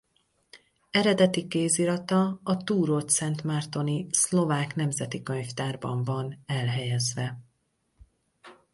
Eredeti kézirata a turócszentmártoni Szlovák Nemzeti Könyvtárban van elhelyezve.